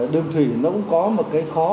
đường thủy nó cũng có một cái khó